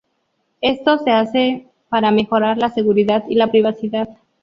Esto se hace para mejorar la seguridad y la privacidad.